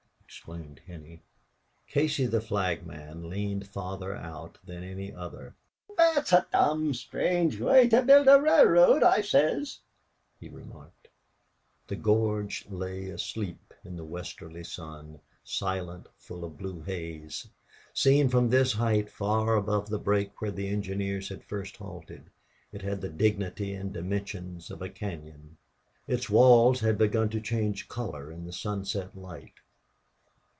exclaimed Henney. Casey, the flagman, leaned farther out than any other. "Phwat a dom' sthrange way to build a railroad, I sez," he remarked. The gorge lay asleep in the westering sun, silent, full of blue haze. Seen from this height, far above the break where the engineers had first halted, it had the dignity and dimensions of a cañon. Its walls had begun to change color in the sunset light.